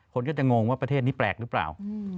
คนก็จะงงว่าประเทศนี้แปลกหรือเปล่า